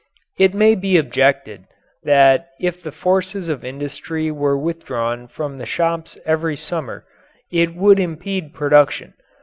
It may be objected that if the forces of industry were withdrawn from the shops every summer it would impede production.